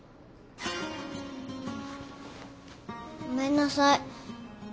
ごめんなさい。